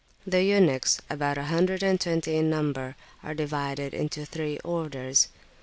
The eunuchs, about a hundred and twenty in number, are divided into three orders.